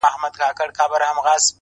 ورته وگورې په مــــــيـــنـــه~